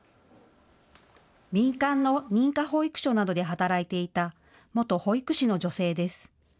民間の認可保育所などで働いていた元保育士の女性です。